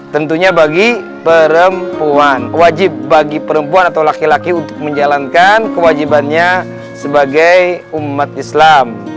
tentunya bagi perempuan wajib bagi perempuan atau laki laki untuk menjalankan kewajibannya sebagai umat islam